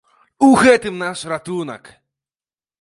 У гэтым наш ратунак!